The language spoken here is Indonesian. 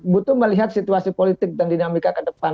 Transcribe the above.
butuh melihat situasi politik dan dinamika ke depan